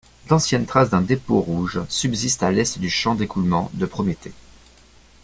D'anciennes traces d'un dépôt rouge subsistent à l'est du champ d'écoulement de Prométhée.